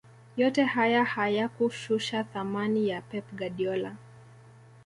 yote haya hayakushusha thamani ya pep guardiola